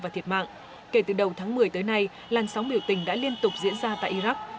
và thiệt mạng kể từ đầu tháng một mươi tới nay làn sóng biểu tình đã liên tục diễn ra tại iraq